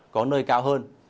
có nơi cao hơn